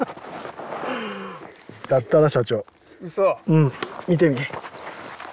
うん見てみ。